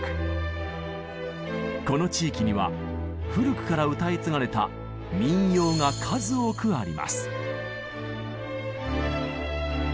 この地域には古くから歌い継がれた民謡が数多くあります。